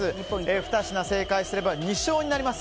２品正解すれば２勝になります。